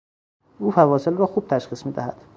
او فواصل را خوب تشخیص میدهد.